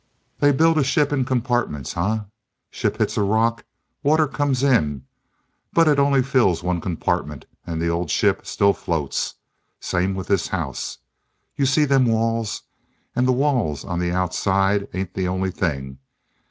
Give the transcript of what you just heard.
"They build a ship in compartments, eh? Ship hits a rock, water comes in. But it only fills one compartment, and the old ship still floats. Same with this house. You seen them walls. And the walls on the outside ain't the only thing.